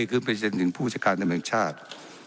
คือเป็นสิ่งผู้จัดการในแม่งชาติ